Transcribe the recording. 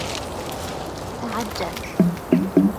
تعجّل!